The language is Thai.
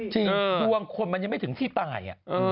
จริงดวงคนมันยังไม่ถึงที่ตาย